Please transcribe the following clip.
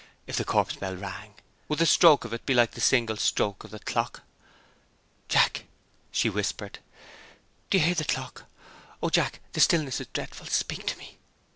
If the corpse bell rang, would the stroke of it be like the single stroke of the clock? "Jack!" she whispered. "Do you hear the clock? Oh, Jack, the stillness is dreadful speak to me."